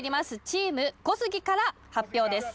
チーム小杉から発表です